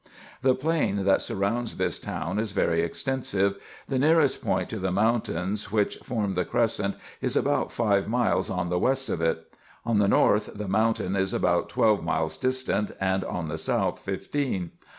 The plain that sur rounds this town is very extensive: the nearest point to the IN EGYPT, NUBIA, &c. 333 mountains which form the crescent is about five miles on the west of it. On the north, the mountain is about twelve miles distant, and on the south fifteen.